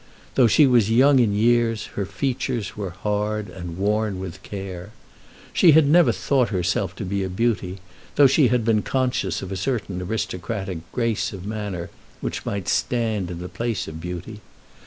Though she was young in years her features were hard and worn with care. She had never thought herself to be a beauty, though she had been conscious of a certain aristocratic grace of manner which might stand in the place of beauty.